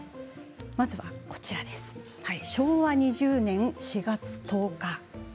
まずは、こちら昭和２０年４月１０日。